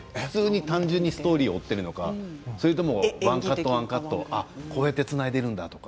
単純にストーリーを追っているのがワンカット、ワンカットをこうやってつないでいるんだとか。